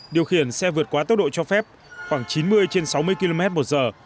điều khiển xe vượt quá tốc độ cho phép khoảng chín mươi trên sáu mươi km một giờ